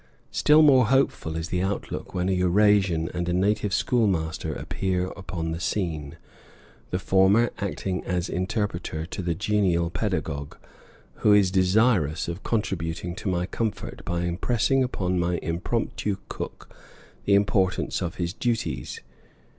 Still more hopeful is the outlook when a Eurasian and a native school master appear upon the scene, the former acting as interpreter to the genial pedagogue, who is desirous of contributing to my comfort by impressing upon my impromptu cook the importance of his duties.